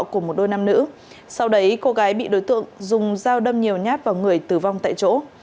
của một đôi nam nữ sau đấy cô gái bị đối tượng dùng dao đâm nhiều nhát vào người tử vong tại chỗ